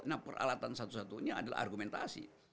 nah peralatan satu satunya adalah argumentasi